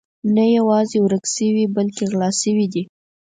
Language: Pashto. نه یوازې ورک شوي بلکې غلا شوي دي.